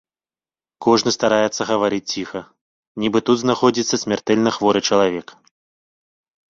Кожны стараецца гаварыць ціха, нібы тут знаходзіцца смяртэльна хворы чалавек.